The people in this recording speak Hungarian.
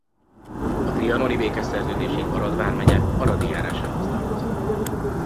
A trianoni békeszerződésig Arad vármegye Aradi járásához tartozott.